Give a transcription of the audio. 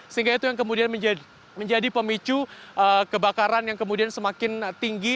sehingga itu yang kemudian menjadi pemicu kebakaran yang kemudian semakin tinggi